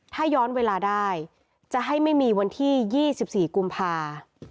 ถ้าย้อนเวลาได้จะให้ไม่มีวันที่๒๔กุมภา